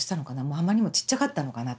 あまりにもちっちゃかったのかなと。